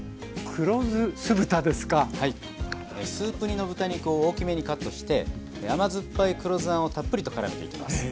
スープ煮の豚肉を大きめにカットして甘酸っぱい黒酢あんをたっぷりとからめていきます。